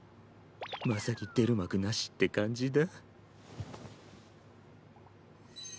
まさに出る幕なしって感じだ。